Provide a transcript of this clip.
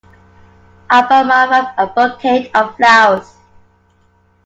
I bought my wife a Bouquet of flowers.